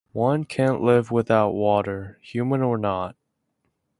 One can't live without water, human or not.